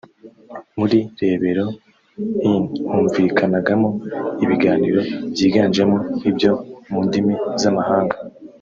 muri ‘Rebero Inn’ humvikanagamo ibiganiro byiganjemo ibyo mu ndimi z’amahanga